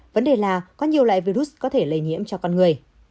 vấn đề là có nhiều loại virus có thể lây nhiễm cho con người